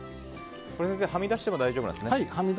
はみ出しても大丈夫なんですね。